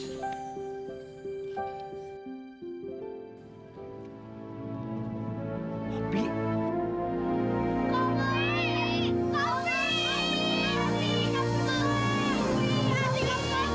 iya enggak membenci